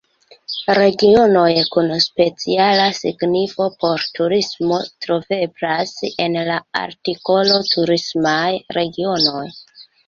Regionoj kun speciala signifo por turismo troveblas en la artikolo turismaj regionoj.